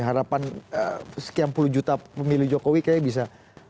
harapan sekian puluh juta pemilih jokowi kayaknya bisa